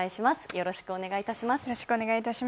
よろしくお願いします。